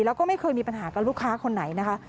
แล้วก็ไม่เคยมีปัญหากับลูกค้าคนไหนนะคะ